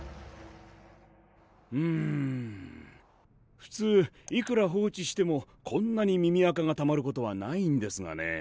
うむふつういくら放置してもこんなに耳あかがたまることはないんですがね。